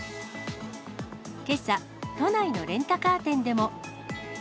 けさ、都内のレンタカー店でも。